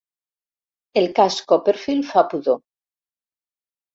El cas Copperfield fa pudor.